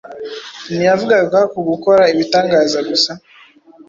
Ntiyavugaga ku gukora ibitanganza gusa;